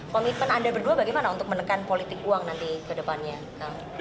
komitmen anda berdua bagaimana untuk menekan politik uang nanti ke depannya